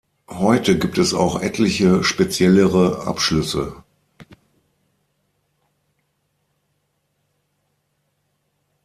Heute gibt es auch etliche speziellere Abschlüsse.